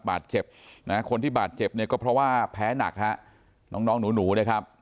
บาดเจ็บนะคนที่บาดเจ็บเนี่ยก็เพราะว่าแพ้หนักฮะน้องน้องหนูนะครับ